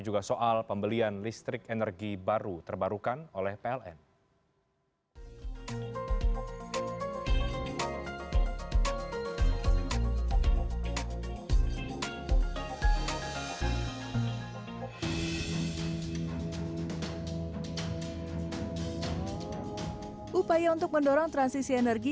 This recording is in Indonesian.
juga soal pembelian listrik energi baru terbarukan oleh pln upaya untuk mendorong transisi energi